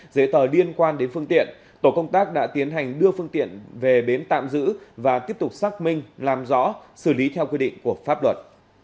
giấy tờ liên quan đến phương tiện tổ công tác đã tiến hành đưa phương tiện về bến tạm giữ và tiếp tục xác minh làm rõ xử lý theo quy định của pháp luật